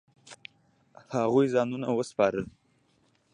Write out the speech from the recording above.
هغوی ځانونه وسپارل.